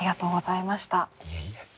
いえいえ。